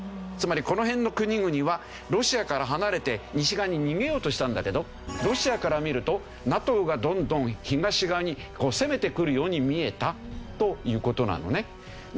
つまりこの辺の国々はロシアから離れて西側に逃げようとしたんだけどロシアから見るとＮＡＴＯがどんどん東側に攻めてくるように見えたという事なのね。